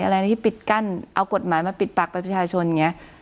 อะไรที่ปิดกั้นเอากฎหมายมาปิดปากประชาชนอย่างนี้